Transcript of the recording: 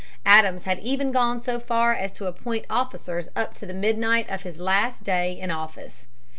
Adams had even gone so far as to appoint officers up to midnight of his last day in office.